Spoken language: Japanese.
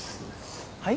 はい？